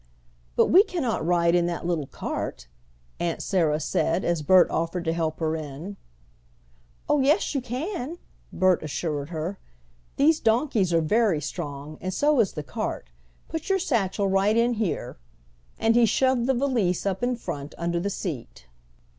"But we cannot ride in that little cart," Aunt Sarah said, as Bert offered to help her in. "Oh, yes, you can," Bert assured her. "These donkeys are very strong, and so is the cart. Put your satchel right in here," and he shoved the valise up in front, under the seat.